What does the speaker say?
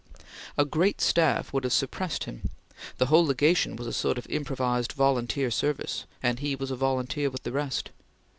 A great staff would have suppressed him. The whole Legation was a sort of improvised, volunteer service, and he was a volunteer with the rest.